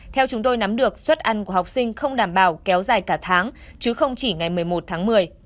theo chúng tôi nắm được suất ăn của học sinh không đảm bảo kéo dài cả tháng chứ không chỉ ngày một mươi một tháng một mươi